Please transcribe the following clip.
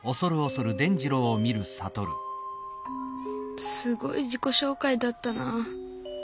心の声すごい自己紹介だったな。